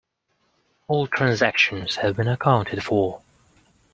All transactions have been accounted for.